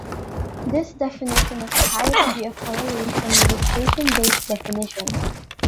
This definition has a high degree of correlation with the station-based definition.